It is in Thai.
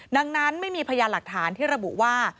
ดังนั้นไม่มีพยานหลักฐานที่ระบุว่า